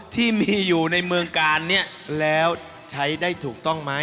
ที่มีอยู่ในเมืองกาลเนี่ยแล้วใช้ได้ถูกต้องไหม